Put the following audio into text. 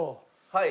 はい。